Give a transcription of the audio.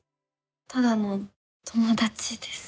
ただの友達です